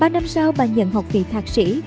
ba năm sau bà nhận học vị thạc sĩ